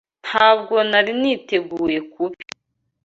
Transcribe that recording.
Ntabwo nari niteguye kubi.